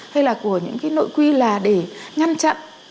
hay là của những cái nội quy là để ngăn chặn